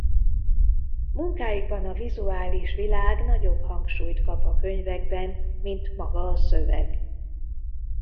Munkáikban a vizuális világ nagyobb hangsúlyt kap a könyvekben mint maga a szöveg.